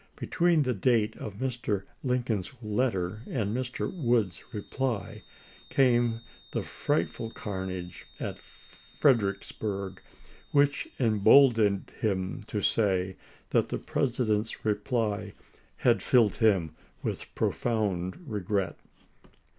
Between the date of Mr. Lincoln's letter and Mr. "Wood's reply came the frightful carnage at Fredericksburg, which emboldened him to say that the President's reply had filled him with profound regret.